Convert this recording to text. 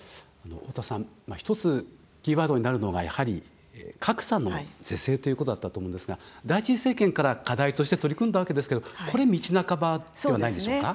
大田さん１つキーワードになるのがやはり、格差の是正ということだったと思うんですが第１次政権から課題として取り組んだわけですけどこれ道半ばではないでしょうか？